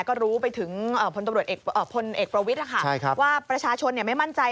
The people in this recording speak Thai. ก็รู้ไปถึงพลตำรวจเอกพลเอกประวิทย์ว่าประชาชนไม่มั่นใจ